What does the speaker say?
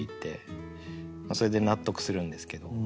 まあそれで納得するんですけど。